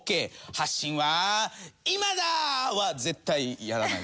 「発進は今だ！」は絶対やらない。